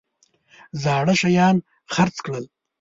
زاړه شیان خرڅ کړل.